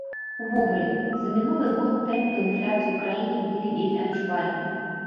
Увогуле, за мінулы год тэмпы інфляцыі ў краіне былі вельмі адчувальнымі.